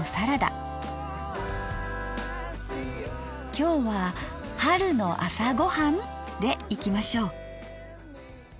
今日は「春の朝ごはん」でいきましょう！